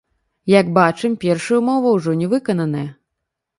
Як бачым, першая ўмова ўжо не выкананая.